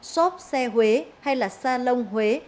shop xe huế hay là salon huế